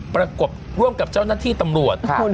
ประกบร่วมกับเจ้าหน้าที่ตำรวจค่ะ